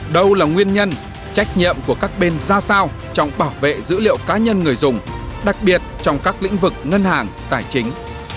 đâu là nguyên nhân trách nhiệm của các bên ra sao trong bảo vệ dữ liệu cá nhân người dùng đặc biệt trong các lĩnh vực ngân hàng tài chính